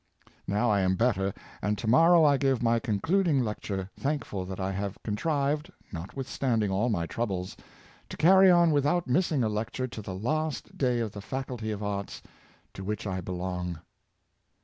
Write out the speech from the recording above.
Now I am better, and to morrow I give my concluding lecture, thankful that I have contrived, notwithstanding all my troubles, to carry on without missing a lecture to the last day of the Faculty of Arts, to which I belong."